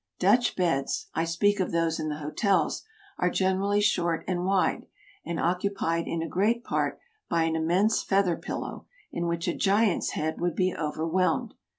Dutch beds — I speak of those in the hotels — are gen erally short and wide, and occupied in a great part by an immense feather pillow in which a giant's head would be overwhelmed.